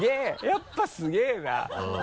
やっぱすげぇな。